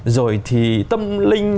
rồi thì tâm linh